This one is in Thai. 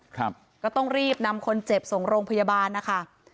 ครับก็ต้องรีบนำคนเจ็บส่งโรงพยาบาลนะคะ